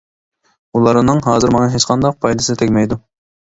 ئۇلارنىڭ ھازىر ماڭا ھېچقانداق پايدىسى تەگمەيدۇ.